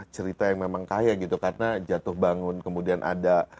cerita yang memang kaya gitu karena jatuh bangun kemudian ada